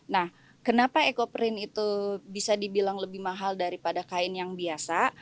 nah kenapa ekoprint itu bisa dibilang lebih mahal daripada kain yang biasa